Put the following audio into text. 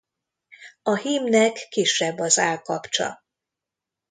A hímnek kisebb az állkapcsa.